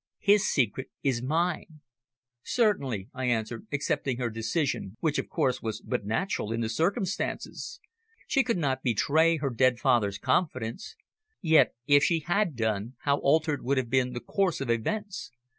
His secret is mine." "Certainly," I answered, accepting her decision, which, of course, was but natural in the circumstances. She could not betray her dead father's confidence. Yet if she had done, how altered would have been the course of events!